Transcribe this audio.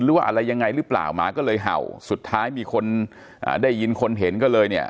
หรือว่าอะไรยังไงหรือเปล่าหมาก็เลยเห่าสุดท้ายมีคนอ่าได้ยินคนเห็นก็เลยเนี่ย